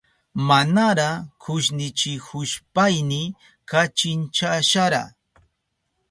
Manara kushnichihushpayni kachinchashara.